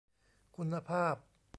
คุณภาพ